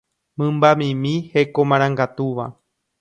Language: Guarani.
mymbamimi hekomarangatúva